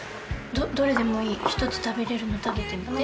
どれでもいい１つ食べられるの食べてみて。